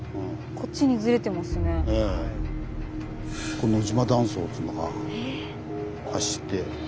ここ野島断層っつうのが走って。